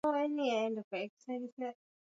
hivyo hawakuwa tayari kuendelea tenana safari